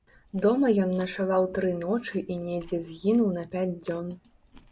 Дома ён начаваў тры ночы і недзе згінуў на пяць дзён.